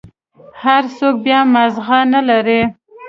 هر سوک بيا مازغه نلري.